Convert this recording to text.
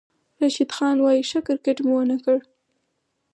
راشد خان وايي، "ښه کرېکټ مو ونه کړ"